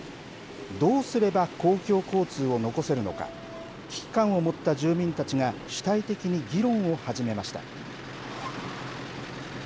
どうすれば公共交通を残せるのか危機感を持った住民たちが主体的に議論を始めました。